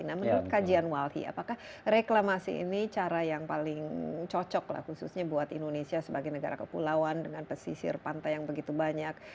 nah menurut kajian walhi apakah reklamasi ini cara yang paling cocok lah khususnya buat indonesia sebagai negara kepulauan dengan pesisir pantai yang begitu banyak